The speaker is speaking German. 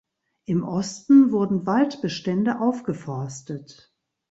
Im Osten wurden Waldbestände aufgeforstet.